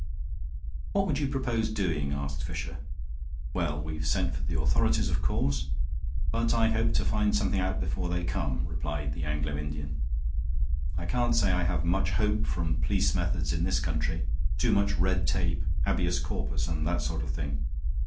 "What would you propose doing?" asked Fisher. "Well, we've sent for the authorities, of course, but I hope to find something out before they come," replied the Anglo Indian. "I can't say I have much hope from police methods in this country. Too much red tape, habeas corpus and that sort of thing.